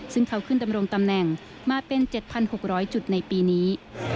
ซึ่งเขาขึ้นดำรงตำแหน่งมาเป็น๗๖๐๐จุดในปีนี้